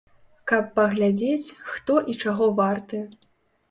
Каб паглядзець, хто і чаго варты.